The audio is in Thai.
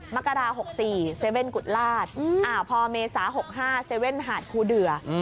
มะกะดา๖๔๗กุฎราชอ่าพอเมษา๖๕๗หาดภูเดือ